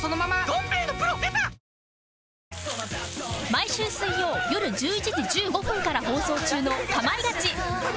毎週水曜よる１１時１５分から放送中の『かまいガチ』